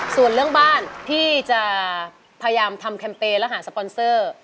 ส่วนเรื่องบ้านที่จะพยายามทำแคมเปญและหาสปอนเซอร์